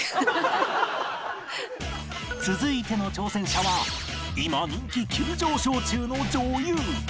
続いての挑戦者は今人気急上昇中の女優